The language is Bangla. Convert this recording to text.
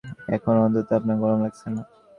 এখন অন্তত আপনার গরম লাগছে না।